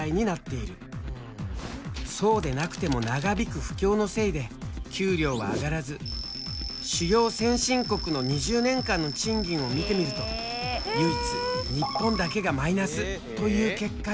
そうでなくても長引く不況のせいで給料は上がらず主要先進国の２０年間の賃金を見てみると唯一日本だけがマイナスという結果に。